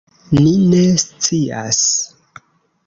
Ni ne scias.